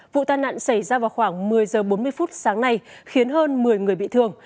vụ tai nạn xảy ra vào khoảng một mươi h bốn mươi phút sáng nay khiến hơn một mươi người bị thương